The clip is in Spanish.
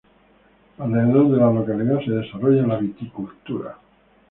Alrededor de la localidad se desarrolla la viticultura